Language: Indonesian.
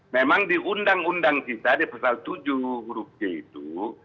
memang di undang undang kita di pasal tujuh huruf c itu